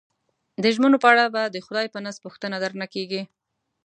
د ژمنو په اړه به د خدای په نزد پوښتنه درنه کېږي.